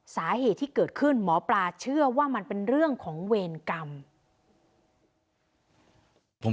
สาเหตุที่เกิดขึ้นหมอปลาเชื่อว่ามันเป็นเรื่องของเวรกรรม